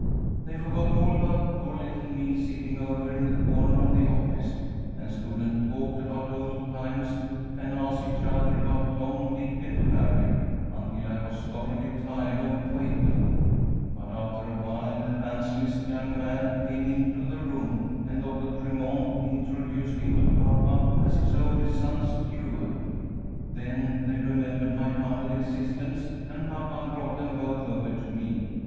"'They forgot all about poor little me, sitting over in the corner of the office, and stood and talked about old times, and asked each other about Tom, Dick, and Harry, until I was thoroughly tired of waiting. But after awhile the handsomest young man came into the room, and Doctor Tremont introduced him to papa as his oldest son, Stuart. Then they remembered my humble existence, and papa brought them both over to me.